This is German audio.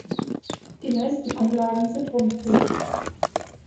Die meisten Anlagen sind rundlich.